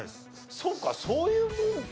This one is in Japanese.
そうかそういうもんか。